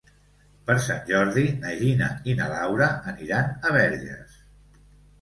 Per Sant Jordi na Gina i na Laura aniran a Verges.